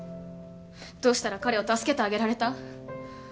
どうしたら彼を助けてあげられた？